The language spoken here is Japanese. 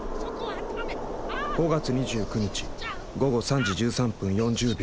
５月２９日午後３時１３分４０秒。